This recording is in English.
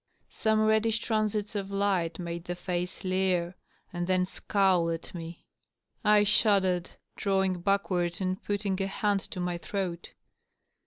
Some reddish transits of light made the face leer and then scowl at me. I shuddered, drawing back ward and putting a hand to my throat.